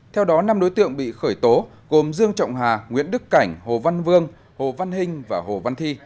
theo đó năm đối tượng bị khởi tố gồm dương trọng hà nguyễn đức cảnh hồ văn vương hồ văn hình và hồ văn thi